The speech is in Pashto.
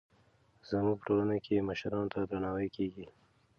زموږ په ټولنه کې مشرانو ته درناوی کېږي.